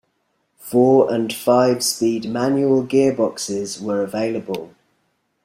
Four and five speed manual gearboxes were available.